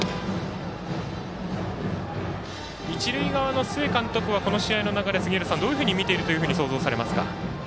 一塁側の須江監督はこの試合の流れ、杉浦さんどういうふうに見ていると想像されますか？